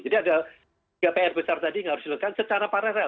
jadi ada tiga pr besar tadi yang harus dilakukan secara paralel